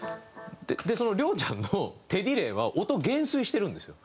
その亮ちゃんの手ディレイは音減衰してるんですよ。